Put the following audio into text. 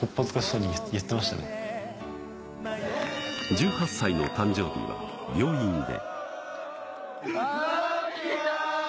１８歳の誕生日は病院で。